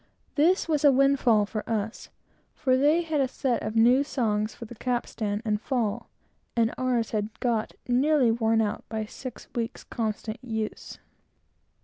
This was a windfall for us, for they had a set of new songs for the capstan and fall, and ours had got nearly worn out by six weeks' constant use.